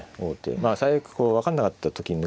まあ最悪分かんなかった時に抜くぞ。